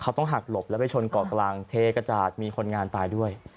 เขาต้องหักหลบแล้วไปชนเกาะกลางเทกระจาดมีคนงานตายด้วย